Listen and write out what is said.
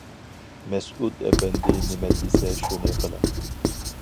مەسئۇد ئەپەندى نېمە دېسە شۇنى قىلىڭ.